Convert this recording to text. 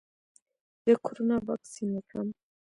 د کرونا واکسین وکړم؟